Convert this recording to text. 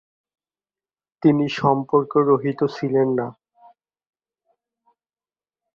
তিনি সর্ম্পকরহিত ছিলেন না।